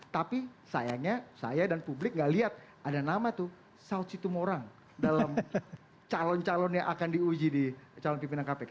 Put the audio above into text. tapi sayangnya saya dan publik gak lihat ada nama tuh saud situmorang dalam calon calon yang akan diuji di calon pimpinan kpk